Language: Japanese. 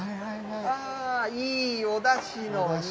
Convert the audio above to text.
あー、いいおだしの色。